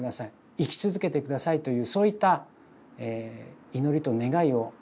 生き続けて下さい」というそういった祈りと願いを。